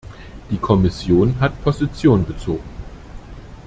Die Kommission hat Position bezogen.